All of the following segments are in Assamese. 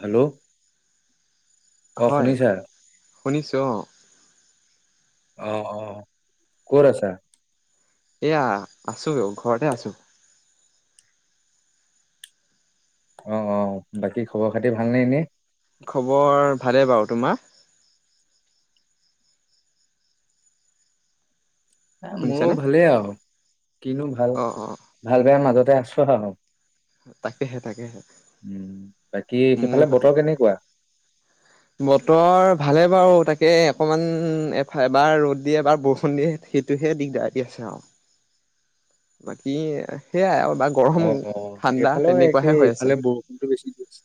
হেল্ল' অ হয় শুনিছা শুনিছোঁ অঁ অ অ কত আছা? এয়া আছো ঘৰতে আছো অ অ বাকী খবৰ খাতি ভালনে এনে খবৰ ভালেই বাৰু তোমাৰ? এ মোৰো শুনিছানে ভালেই আৰু কিনো ভাল অঁ অঁ ভাল বেয়াৰ মাজত আছো আও তাকেহে তাকেহে উম বাকী মোৰ সেইফালে ভাল বতৰ কেনেকুৱা? বতৰ ভালে বাৰু তাকে অকমান এফাল এবাৰ ৰ'দ দিয়ে এবাৰ বৰষুণ দিয়ে সেইটোহে দিগদাৰ দি আছে আৰু বাকী সেইয়াই অ গৰম অ ঠাণ্ডা এইফালেও তেনেকুৱাহে একেই হৈ আছে এইফালে বৰষুণটো বেছি দি আছে।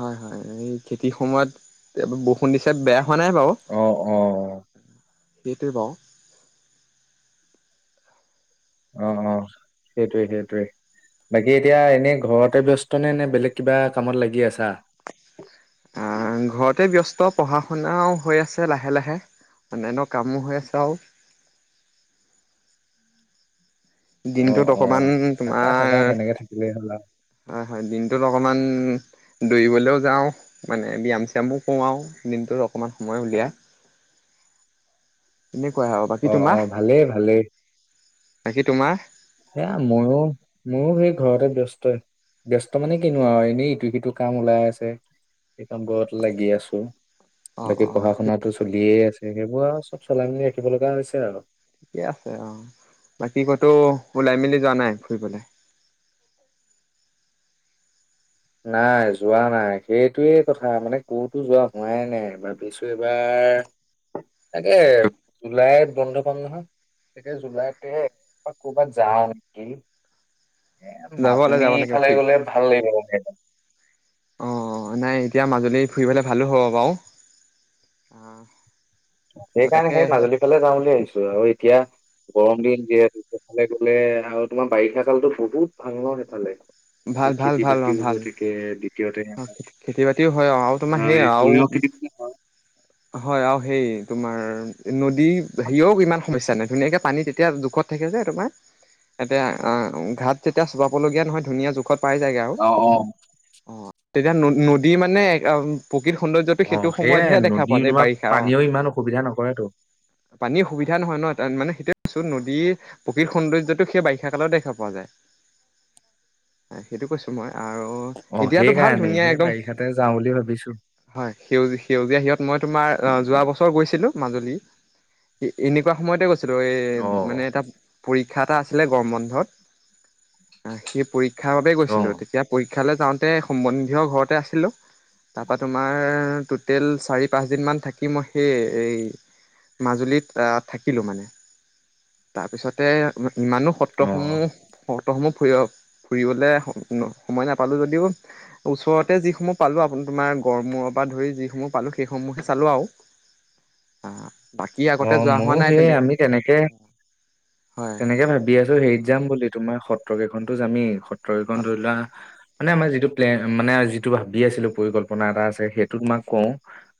হয় হয় সময়ত বহুত শুনিছে বেয়া হোৱা নাই বাৰু অ অ সেইটোৱে বাওঁ অ অ সেইটোৱে সেইটোয়ে বাকী এতিয়া এনেই ঘৰতে ব্যস্ত নে নে বেলেগ কিবা কামত লাগি আছা? ঘৰতে ব্যস্ত পঢ়া শুনাও হৈ আছে লাহে লাহে অন্যান্য কামো হৈ আছে আও অ দিনটোত অ অকমান থাকা তোমাৰ থাকা তেনেকে থাকিলেই হ'ল আৰু হয় হয় দিনটোত অকমান ওম দৌৰিবলৈও যাওঁ মানে ব্যাম চায়ামো কৰোঁ আৰু দিনটোত অকণমান সময় উলিয়ায় বাকী অ তোমাৰ অ ভালেই ভালেই বাকী তোমাৰ সেয়া ময়ো ময়ো সেই ঘৰতে ব্যস্ত ব্যস্ত মানে কিনো আৰু এনেই ইটো সিটো কাম ওলাই আছে সেই কাম ঘৰত লাগি আছো অ বাকী অ পঢ়া শুনাটো চলি দিয়ে আছে সেইবোৰ আৰু চব চলাই মেলি ৰাখিব লগা হৈছে আৰু ঠিকে আছে অ বাকী কতো ওলাই মেলি যোৱা নাই ফুৰিবলে নাই যোৱা নাই সেইটোৱে কথা মানে ক'তো যোৱা হোৱাই নাই, ভাবিছো এইবাৰ তাকে জুলাইত বন্ধ কাম নহয় তাকে জুলাইতে কৰ'বাত যাওঁ নেকি এ যাবলে মাজুলী যাব লাগে ফালে ফুৰি গলে ভাল লাগিব মানে অ নাই এতিয়া মাজুলী ফুৰিবলে ভালো হ'ব বাও অ সেইকাৰণে তাকে সেই মাজুলী ফালে যাওঁ বুলি ভাবিছোঁ আৰু এতিয়া গৰম দিন যিহেতু হেফালে গলে আৰু তোমাৰ বাৰিষা কালতো বহুত ভাল ন সেইফালে ভাল ভাল খেতি ভাল বাতি ও ভাল ঠিকে অ', খেতি- বাতিও হয় অ ', আৰু তোমাৰ ধৰা সেই এই আৰু সৰিয়হ খেতি হয় হয় আৰু, সেই তোমাৰ নদী হেৰিও ইমান সমস্যা নাই, ধুনীয়াকৈ পানী তেতিয়া জোখত থাকে যে তোমাৰ এতিয়া ঘাট যেতিয়া চপাবলগীয়া নহয় ধুনীয়া ঔষধ পাই যায়গে আৰু অ অ অ', তেতিয়া নদী মানে, প্ৰকৃত সৌন্দৰ্যটো অ সেইটো ', সেয়াই সময়তহে দেখা নদী পোৱা যায় তোমাৰ বাৰিষা অ পানীও ইমান অসুবিধা নকৰেতো। পানীৰ সুবিধা নহয় ন', ত', মানে সেইটোয়ে কৈছো নদীৰ প্ৰকৃত-সৌন্দৰ্যতটো সেই বাৰিষা কালত দেখা পোৱা যায়, সেইটো কৈছো মই', আৰু অ', এতিয়াতো ভাল সেইকাৰণে ধুনীয়া সেই একদম বাৰিষাতে যাওঁ বুলি ভাবিছোঁ হয় সে- সেউজীয়া সিহঁত, মই তোমাৰ যোৱা বছৰ গৈছিলো, মাজুলী এনেকুৱা সময়ে গৈছিলোঁ। অ মানে এটা, পৰীক্ষা এটা আছিলে গৰম বন্ধত সেই, পৰীক্ষা, শিকাৰ বাবে অ গৈছিলো তেতিয়া পা, খেলে যাওঁ, তাতে সম্বন্ধীয় ঘৰতে আছিলোঁ। তাৰপৰা তোমাৰ ট'টেল চাৰি -পাঁচদিনমান থাকি মই সেই এই মাজুলীত থাকিলোঁ মানে তাৰপিছতে ইমানো অ সত্ৰসমূহ, সত্ৰসমূহ ফুৰিব -ফুৰিবলৈ সময় নাপালোঁ যদিও, ওচৰতে যিসমূহ পালো আপু -তোমাৰ গড়মূৰৰ পৰা ধৰি যিসমূহ পালো সেইসমূহে চালো আৰু আওঁ অ ', ময়ো সেই আমি হয় তেনেকে-তেনেকে ভাবি আছো হেৰিত যাম বুলি তোমাৰ সত, সত্ৰ কেইখনতো যে আমি, [unintelligible] মানে আমাৰ যিটো প্লেন মানে যিটো ভাবি আছিলো পৰিকল্পনা এটা আছে, সেইটো তোমাক কওঁ,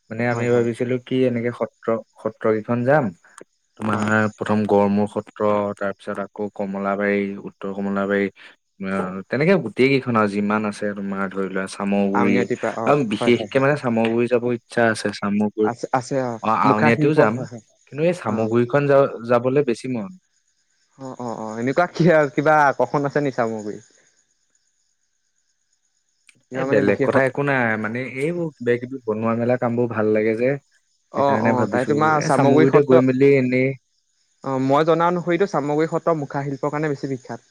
মানে আমি হয় হয় ভাবিছিলো কি এনেকে, সত্ৰ -সত সত্ৰকীখন যাম, তোমাৰ হয় প্ৰথম গড়মূ্ষত, সত্ৰ তাৰ পিছত আকৌ কমলাবাৰী, উত্তৰ- -কমলাবাৰী অ', তেনেকে গোটেই কেইখন আৰু যিমান আছে তোমাৰ ধৰি লোৱা চামগুৰি আউনীআটীপা অ আৰু বিশেষকে মানে চামৰগুৰি যাব, চা ', আছে। চামগুৰি আছে-আছে অ', মুখা আউনীআটিও শিলপ যাম হয়', কিন্তু এই - হয় ', চামগুৰিখন যা যাবলৈ বেছি মন অ-অ-অ-অ এনেকুৱা কি আৰু কিবা আকৰ্ষণ আছে নেকি? চামুগুৰিত, এ', বেলেগ কথা একো নাই মানে এইবোৰ কিবা - কিবি বনোৱা মেলা কাম বোৰ ভাল লাগে যে', অ সেইকাৰণে অ তাই ভাবিছো তোমাৰ এ চামগুৰি চামগুৰিতে গৈ সত্ৰ মেলি এনেই অ মই জনা অনুসৰিতো চামগুৰি সত্ৰ মুখা শিল্পৰ কাৰণে বেছি বি বিখ্যাত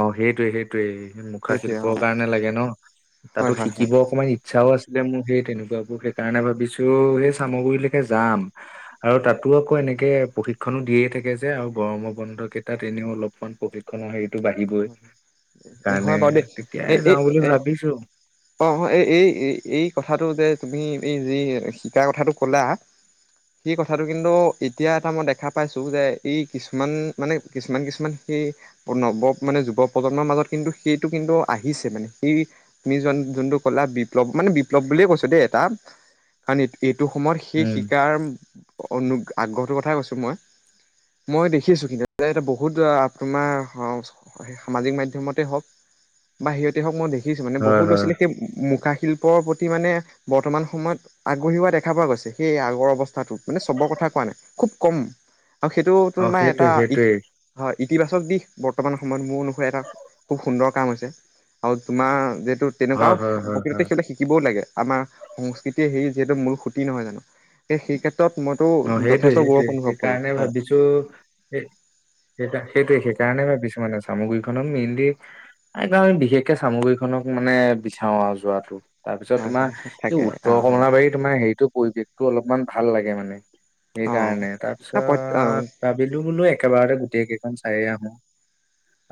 অ সেইটোয়ে সেইটোয়ে মুখা সেইটোৱে অ শিল্পৰ কাৰণে লাগে ন হয় তাতো হয় হয় শিকিব অকণমান ইচ্ছাও আছিলে মোৰ সেই তেনেকুৱাবোৰ সেই সেই কাৰণে ভাবিছো সেই চামগুৰিলৈকে যাম আৰু তাতো আকৌ এনেকে প্ৰশিক্ষনো দিয়ে থাকে যে আৰু গৰমৰ বন্ধ কেইটাত এনেও অলপমান প্ৰশিক্ষনৰ হেৰি হয় বাৰু দেই এ তেতিয়াই এই যাওঁ বুলি এ ভাবিছো অ অ এই এই এই কথাটো যে। তুমি এই যি শিকাৰ কথাটো ক'লা সেই কথাটো কিন্তু এতিয়া এটা মই দেখা পাইছো যে এই কিছুমান মানে কিছুমান কিছুমান সেই নৱ মানে যুৱ প্ৰজন্মৰ মাজত কিন্তু সেইটো কিন্তু আহিছে মানে সেই তুমি যোনটো ক'লা বিপ্লৱ মানে বিপ্লৱ বুলিয়ে কৈছ দেই এটা কাৰণ এই টো সময়ত সেই উম শিকাৰ অনু আগ্ৰহটোৰ কথাই কৈছোঁ মই। মই দেখিছোঁ কিন্তু এয়া বহুত তোমাৰ সং সেই সামাজিক মাধ্যমতে হওক, বা সিহঁতে হওক মই দেখি। খিছো মানে বহু হয় ল'ৰা হয় ছোৱালীয়ে সেই মুখা শিল্পৰ প্ৰতি মানে বৰ্তমান সময়ত আগ্ৰহী হোৱা দেখা পোৱা গৈছে সেই আগৰ অৱস্থাটোত মানে চবৰ কথা কোৱা নাই খুব কম আৰু সেইটো অ তোমাৰ সেইটোৱে এটা ই সেইটোৱে হয়। ইতিবাচক দিশ বৰ্তমানৰ সময়ত মোৰ অনুসৰি এটা খুব সুন্দৰ কাম হৈছে আৰু তোমাৰ যে তেনেকুৱা হয় আৰু হয় হয় প্ৰকৃততে হয় সেইবিলাক শিকিবও লাগে আমাৰ সংস্কৃতিয়ে হেৰি যিহেতু মূল সুটি নহয় জানো সেয়ে সেই ক্ষে অ সেইটোৱে সেইটোৱে সেইকাৰণে হয় ভাবিছো সে সেইটোৱে সেইটোৱেই। সেইকাৰণে ভাবিছো মানে চামগুৰিখনক মেইনলি, এ আমি বিশেষকে চামগুৰিখনক মানে বিচাৰো আৰু যোৱাটো। তাৰপিছত হয় তোমাৰ হয় এই থাকে অ উত্তৰ হয় কমলাবাৰী, তোমাৰ হেৰিটো পৰিৱেশটো অলপমান ভাল লাগে মানে। অ সেইকাৰণে, তাৰপিছত ভাবিলো বোলোঁ এক একেবাৰতে গোটেইকেইখন চাইয়ে আহোঁ।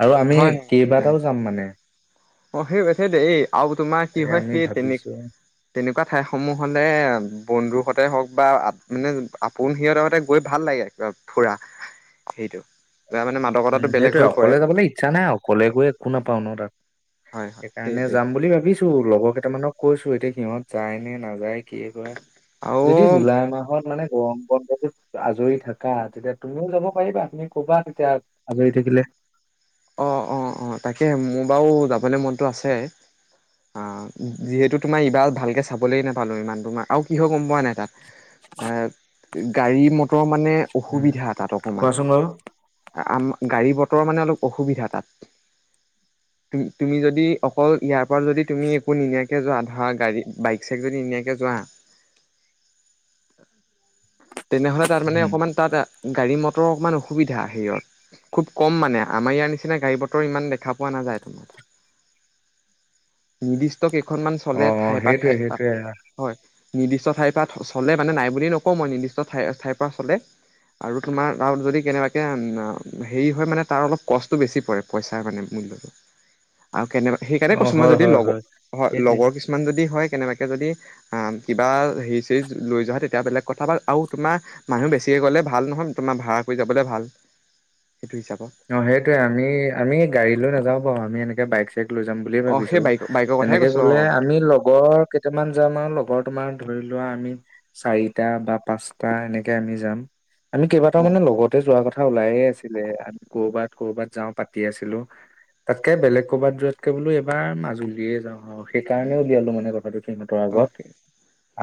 আৰু আমি হয় হয় সেইটোৱে কেইবাটাও যাম মানে। অ' সেই-সেইটোৱেই। এই আৰু তোমাৰ কি তাকে হয়, আমি সেই ভাবিছো তেনে-তেনেকুৱা ঠাইসমূহলে বন্ধুৰ সতে হওক বা মানে, আপোন সিহঁতৰ সতে গৈ ভাল লাগে ফুৰা, সেইটো। উম সেইটোৱে। অকলে যাবলৈ ইচ্ছা নাই অকলে গৈ একো নাপাও ন তাত। হয় হয় সেইকাৰণে সেইটোৱে যাম বুলি ভাবিছোঁ। লগৰ কেইটামানক কৈছোঁ, এতিয়া সিহঁত যায় নে নাযায়! কি কৰে? আৰু যদি জুলাই মাহত মানে গৰম বন্ধটোত আজৰি থাকা, তেতিয়া তুমিও যাব পাৰিবা তুমি ক'বা তেতিয়া আজৰি থাকিলে। অ' অ' অ' তাকে মোৰ বাৰু যাবলৈ মনটো আছে। অ' যিহেতু তোমাৰ ইবাৰ ভালকে চাবলে নাপালো ইমান, তোমাৰ আৰু কি হ'ল গম পোৱা নে? তাত। আ [unintelligible] গাড়ী-মট টৰ মানে উম, অসুবিধা তাত অকমান। কোৱাচোন বাৰু। আম গাড়ীবতৰ মানে অলপ অসুবিধা তাত। তুমি যদি অকল ইয়াৰ পৰা যদি তুমি একো নিনিয়াকৈ যোৱা, ধৰা গাড়ী বাইক-চাইক যদি নিনিয়াকৈ যোৱা তেনেহ'লে তাত মানে উম, অকণমান তাত, গাড়ী-ম টৰ অকণমান অসুবিধা হেৰিয়ত, খুব কম মানে। আমাৰ ইয়াৰ নিচিনা গাড়ী-বতৰ ইমান দেখা পোৱা নাযায়তো নিৰ্দিষ্ট কেইখনমান চলে অ', অ', ঠাই পা সেইটোৱে ঠাইত। সেইটোৱে হয়। নিৰ্দিষ্ট ঠাইৰ পৰা চলে মানে, নাই বুলিয়েই নকওঁ মই। নিৰ্দিষ্ট ঠাই -ঠাইৰ পৰা চলে। আৰু তোমাৰ, আৰু যদি কেনেবাকৈ হেৰি হয় মানে তাৰ অলপ কস্ততো বেছি পৰে পইচাৰ মানে, মূল্যটো। আৰু কেনেবা সেইকাৰণে অ', কৈছোঁ মই, হয় যদি হয় লগ হয় হয়, সেইটোৱে। লগৰ কিছুমান যদি হয়। কেনেবাকে যদি আ কিবা হেৰি-চেৰি লৈ যোৱা হয়, তেতিয়া বেলেগ কথা, বা আৰু তোমাৰ মানুহ বেছিকে গ'লে ভাল নহয়। তোমাৰ ভাড়া কৰি যাবলৈ ভাল। সেইটো হিচাপত সেইটোৱেই, আমি-আমি গাড়ী লৈ নাযাওঁ বাৰু, আমি এনেকে বাইক- লৈ যাম বুলিয়ে অ ভাবিছো। সেই বাইক বাইকৰ কথাই তেনেকে কৈছো গ'লে আমি লগৰকেইটামান যাম আৰু। লগৰ তোমাৰ ধৰি লোৱা আমি চাৰিটা বা পাঁচটা এনেকে আমি যাম। আমি কেইবাটাও অ অ মানে লগতে যোৱা কথা ওলাইে আছিলে। কৰ'বাত - কৰ'বাত যাওঁ পাতি আছিলো তাতকে বেলেগ কৰ'বাত দতকে বোলো এইবাৰ মাজুলীয়ে যাওঁ। অ ', সেইকাৰণে উলিয়ালো মানে কথাটো সিহঁতৰ অ আগত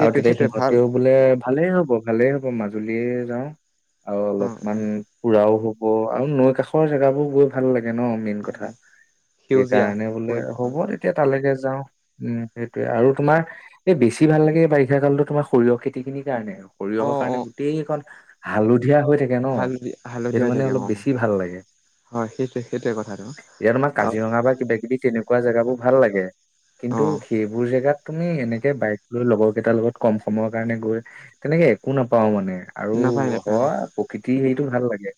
আৰু তেতিয়া সেইটোৱে ভাল সিহঁতেও বোলে ভালে হ'ব ভালেই হ', মাজুলীয়ে যাওঁ। আৰু অ অ অলপমান পুৰাও হ', অ ', আৰু নৈ কাষ আখৰ জেগাবোৰ গৈ ভাল লাগে। ন মেইন কথা সেউজীয়া সেইকাৰণে বোলে পৰিৱেশ হ'ব হয় তেতিয়া তালৈকে যাওঁ। উম', সেইটোয়ে আৰু তোমাৰ এই বেছি ভাল লাগে বাৰিষা কালতো তোমাৰ সৰিয়হ খেতি খিনিৰ কাৰণেও। অ সৰিয়হৰ কাৰণে অ গোটেইখন হালধি ধীয়া হৈ থাকে ন হালধীয়া হালধীয়া সেইটো হৈ মানে থাকে অলপ অ বেছি ভাল লাগে। হয়', সেইটোৱে - সেইটোৱে কথাটো আৰু কোৱা জেগাবোৰ ভাল লাগে। অ কিন্তু সেইবোৰ জেগাত তুমি এনেকে বাইক লৈ লগৰ কেইটাৰ লগত কম সময়ৰ কাৰণে গৈ তেনেকে একো নাপাও মানে। আৰু নাপায় নাপায় অ হয় প্ৰকৃতিৰ হেৰিতটো ভাল লাগে। এ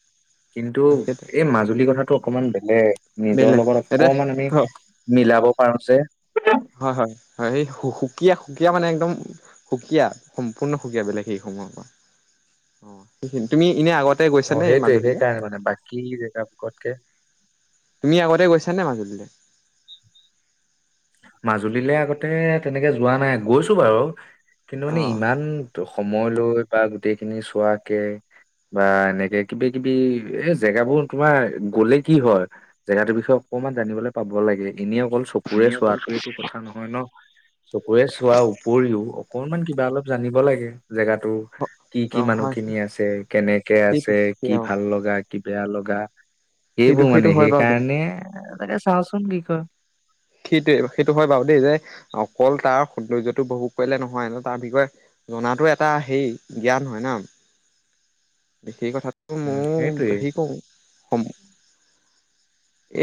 কিন্তু সেইটোৱে এই মাজুলী কথাত ক অকমান দিলে নিজৰ বেলেগ লগত এতিয়া অকমান আমি অ মিলাব ফাৰুক যে হয় হয় হয় স সুকীয়া সুকীয়া মানে একদম সুকীয়া সম্পূৰ্ণ সুকীয়া বেলেগ সেই সময়ত পৰা অ সেইখিন তুমি এনে আগতে তে গৈছ অ নে সেইটোৱে মাজুলীলে সেইকাৰণে মানে বাকী জেগাবোৰতকে তুমি আগতে গৈছা নাই মাজুলীলে মাজুলীলৈ আগতে তেনেকে যোৱা নাই গৈছো বাৰু কিন্তু অ মানে ইমান সময় লৈ বা গোটেই খিনি চোৱাকে বা এনেকে কিবি কিবি এ জেগাবোৰ তোমাৰ গ'লে কি হয় জেগা তৰ বিষয়ে অকমান জানিবলৈ পাব লাগে এনে অকল চকুৰে চোৱাটোৱেইটো কথা নহয় ন চকুৰে চোৱাৰ উপৰিও অকনমান কিবা অলপ জানিব লাগে জেগাতো কি কি অ মানুহ হয় খিনি আছে কেনেকে সেইটো আছে কি অ ভাল লগা কি বেয়া লগা গা সেইটো এইবোৰ সেইটো মানে হয় বাৰু দে সেইকাৰণে মানে চাওঁচোন কি অঁ। সেইটোৱে সেইটো হয় বাৰু দেই যে অকল তাৰ সৌন্দৰ্যটো কব পাৰিলে নহয় তাৰ বিষয়ে জাতো এটা হেই জ্ঞান হয় ন বিশেষ কথা। উম সেইটোৱে মই হেৰি কৰো সম।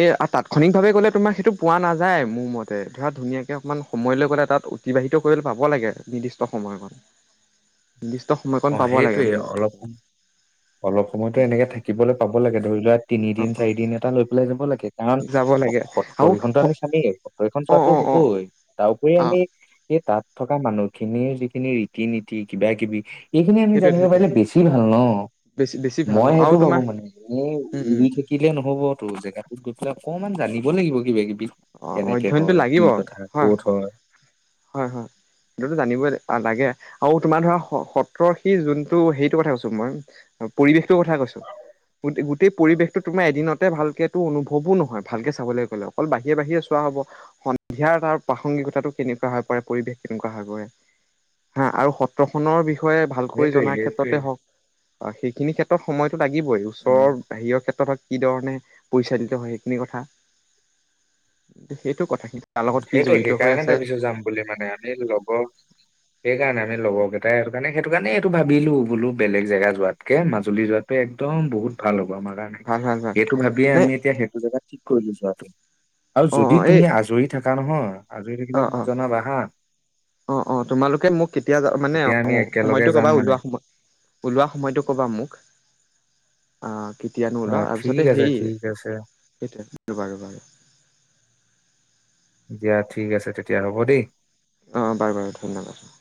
এ তাৎক্ষণিকভাৱে গলে তোমাৰ সেইটো পোৱা নাযায় মোৰ মতে ধৰা ধুনীয়াকে অকমান সময় লৈ গ'লে তাত অতিবাহিত কৰিবলৈ পাব লাগে নিৰ্দিষ্ট সময় কণ। নিৰ্দিষ্ট অ সময়কণ পাব সেইটোৱে লাগে মোৰ। অলপ অলপ সময়তো অ এনেকে থাকিবলৈ পাব লাগে ধৰি লোৱা। অ তিনিদিন অ চাৰিদিন এটা লৈ পেলাই যাব লাগে কাৰণ যাব লাগে আৰু সত্ৰকেইখনতো আমি চামেই। সত্ৰকেইখন অ চোৱাতটো অ অ হ'বই তাৰ উপৰি অ আমি তাত। থকা মানুহখিনিৰ যিখিনি ৰীতি নীতি কিবা কিবি। এইখিনি আমি সেইটোৱে জানিব পাৰিল সেইটোৱে বেছি ভাল ন। বেছি বেছি ভাল মই অ আৰু সেইটো ভাবো তোমাৰ মানে এ উম উম উৰি থাকিলে নহবতো জেগাটোত গৈ পেলাই অকণমান। জানিব লাগিব কিবা কিবি। অ কেনেকে অধ্যয়নটো হয় কি লাগিব কথা কত হয়। হয় হয় সেইটোতো জানিবই লাগে আৰু তোমাৰ ধৰা সত্ৰ সি যোনটো সেইটো কথা কৈছো মই পৰিৱেশটোৰ কথা কৈছো গোটেই পৰিৱেশটো তোমাৰ এদিনতে ভালকে। অনুভৱো নহয় ভালকে চাব লাগিব। অকল বাহিৰে বাহিৰে চোৱা হ'ব সন্ধিয়াৰ তাৰ প্ৰাসংগিকতাটো কেনেকুৱা। পৰে পৰিৱেশ কেনেকুৱা হৈ পৰে হা আৰু সত্ৰখনৰ বিষয়। য়ে ভালকৈ সেইটোৱে জনাৰ সেইটোৱে ক্ষেত্ৰতে হওঁক। সেইখিনি ক্ষেত্ৰত সময়। লাগিবই উম ওচৰ বাহিৰৰ ক্ষেত্ৰত হক। কি ধৰণে পৰিচালিত হয় সেইখিনি কথা সেইটো কথা। তাৰ লগত কি সেইটোৱে জড়িত হৈ সেইকাৰণে আছে। ভাবিছো যাম বুলি মানে আমি লগৰ সেই কাৰণে আমি লগৰ কেইটাই হেটো কাৰণে সেইটো কাৰণে এইটো ভাবিলো বোলো বেলেগ জেগা যোৱাতকে মাজুলী যোৱাত। একদম বহুত ভাল হ'ব আমাৰ কাৰণে ভাল ভাল ভাল সেইটো ভাবিয়ে নাই আমি এতিয়া সেইটো জোগাত। ক বিজাত। আৰু যদি তুমি আজৰিত। কাৰণহ। অঁ অঁ অঁ অঁ তোমালোকে মোক কেতিয়া মানে তেতিয়া আমি একেলগে সময়টো যাম কবা মানে ওলোৱা সময় ওলোৱা সময়টো কবা মোক। অঁ। কেতিয়ানো ওলোৱা অ ঠিক তাৰপিছতে আছে সেইয়ে ঠিক আছে সেইটোৱ বাৰু বাৰু। দিয়া ঠিক আছে তেতিয়া হ'ব দেই। অঁ বাৰু বাৰু ধন্যবাদ অঁ।